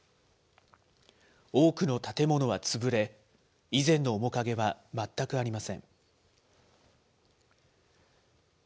多くの建物は潰れ、以前の面影は全くありません。